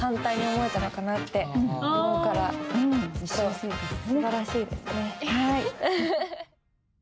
すばらしいですね。